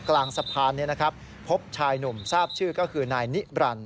กลางสะพานพบชายหนุ่มทราบชื่อก็คือนายนิบรันดิ